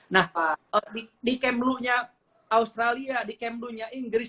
nah di kemluhnya australia di kemluhnya inggris